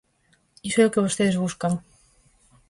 Iso é o que vostedes buscan.